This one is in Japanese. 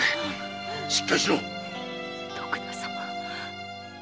徳田様